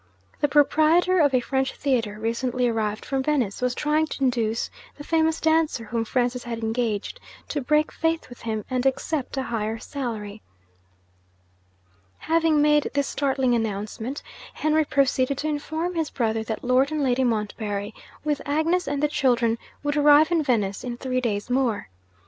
The proprietor of a French theatre, recently arrived from Venice, was trying to induce the famous dancer whom Francis had engaged to break faith with him and accept a higher salary. Having made this startling announcement, Henry proceeded to inform his brother that Lord and Lady Montbarry, with Agnes and the children, would arrive in Venice in three days more.